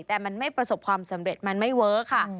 แต่มันไม่ประสบความสำเร็จมันไม่เว้อค่ะ